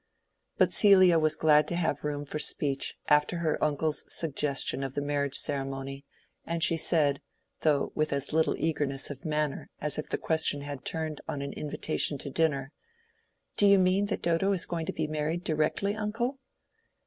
But Celia was glad to have room for speech after her uncle's suggestion of the marriage ceremony, and she said, though with as little eagerness of manner as if the question had turned on an invitation to dinner, "Do you mean that Dodo is going to be married directly, uncle?"